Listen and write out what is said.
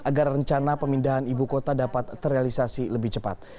agar rencana pemindahan ibu kota dapat terrealisasi lebih cepat